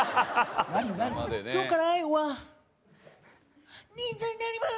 今日から、あゆは忍者になりまーす！